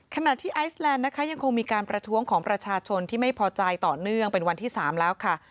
ขณะที่ไอซแลนด์นะคะยังคงมีการประท้วงของประชาชนที่ไม่พอใจต่อเนื่องเป็นวันที่๓แล้วค่ะ